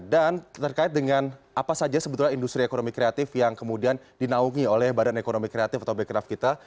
dan terkait dengan apa saja sebetulnya industri ekonomi kreatif yang kemudian dinaungi oleh badan ekonomi kreatif atau bkraf kita